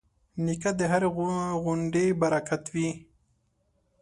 نیکه د هرې غونډې برکت وي.